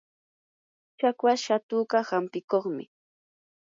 chakwas shatuka hampikuqmi.